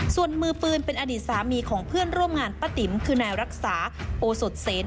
ส่วนมือปืนเป็นอดีตสามีของเพื่อนร่วมงานป้าติ๋มคือนายรักษาโอสดเสน